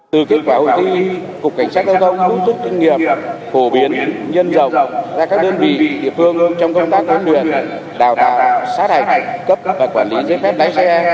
từ kết quả hội thi cục cảnh sát giao thông lưu tức kinh nghiệm phổ biến nhân dọc ra các đơn vị địa phương trong công tác huấn luyện đào tạo sát hạch cấp và quản lý giấy phép lái xe